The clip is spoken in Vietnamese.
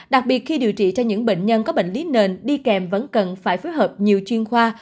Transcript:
đặc biệt khi điều trị cho những bệnh nhân có bệnh lý nền đi kèm vẫn cần phải phối hợp nhiều chuyên khoa